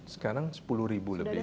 sekarang sepuluh ribu lebih